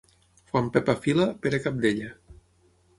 Quan Pepa fila, Pere cabdella.